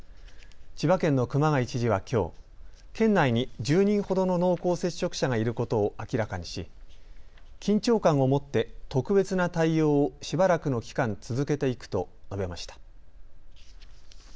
千葉県の熊谷知事はきょう県内に１０人ほどの濃厚接触者がいることを明らかにし、緊張感を持って特別な対応をしばらくの期間続けていくと述べました。